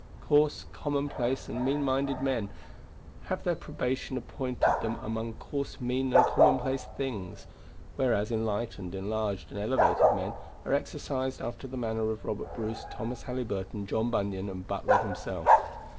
Coarse, commonplace, and mean minded men have their probation appointed them among coarse, mean, and commonplace things; whereas enlightened, enlarged, and elevated men are exercised after the manner of Robert Bruce, Thomas Halyburton, John Bunyan, and Butler himself.